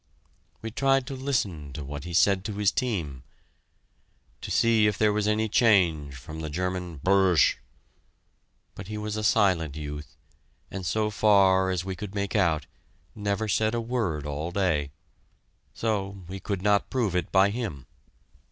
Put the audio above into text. We tried to listen to what he said to his team, to see if there was any change from the German "Burrrrrrsh," but he was a silent youth, and so far as we could make out, said never a word all day. So we could not prove it by him!